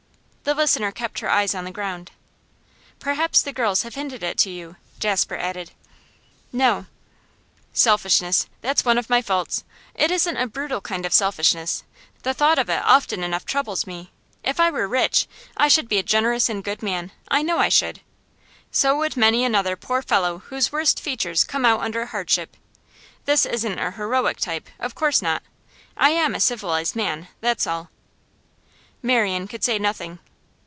The listener kept her eyes on the ground. 'Perhaps the girls have hinted it to you?' Jasper added. 'No.' 'Selfishness that's one of my faults. It isn't a brutal kind of selfishness; the thought of it often enough troubles me. If I were rich, I should be a generous and good man; I know I should. So would many another poor fellow whose worst features come out under hardship. This isn't a heroic type; of course not. I am a civilised man, that's all.' Marian could say nothing.